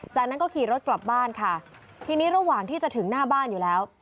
จากนั้นก็ขี่รถกลับบ้านค่ะทีนี้ระหว่างที่จะถึงหน้าบ้านอยู่แล้ว